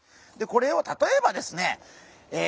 これを例えばですねえ